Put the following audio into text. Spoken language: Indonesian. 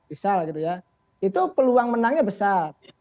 itu peluang menangnya besar